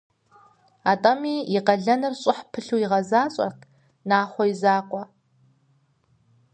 Атӏэми и къалэныр щӏыхь пылъу игъэзащӏэрт Нахъуэ и закъуэ.